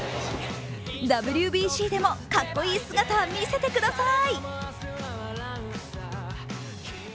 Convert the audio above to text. ＷＢＣでもかっこいい姿、見みせてください。